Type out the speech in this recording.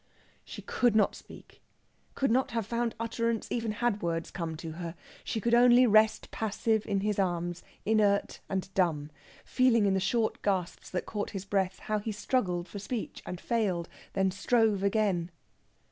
She could not speak could not have found utterance even had words come to her. She could only rest passive in his arms, inert and dumb, feeling in the short gasps that caught his breath how he struggled for speech and failed, then strove again.